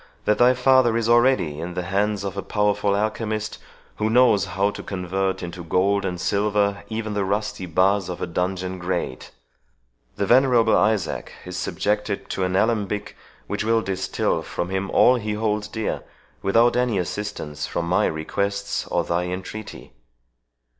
that thy father is already in the hands of a powerful alchemist, who knows how to convert into gold and silver even the rusty bars of a dungeon grate. The venerable Isaac is subjected to an alembic, which will distil from him all he holds dear, without any assistance from my requests or thy entreaty.